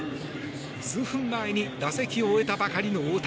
数分前に打席を終えたばかりの大谷。